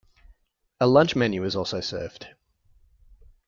A lunch menu is also served.